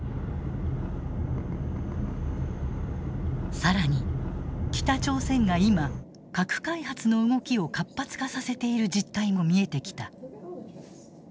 更に北朝鮮が今核開発の動きを活発化させている実態も見えてきた。